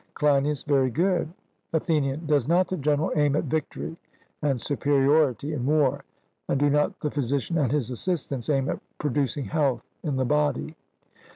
CLEINIAS: Very good. ATHENIAN: Does not the general aim at victory and superiority in war, and do not the physician and his assistants aim at producing health in the body?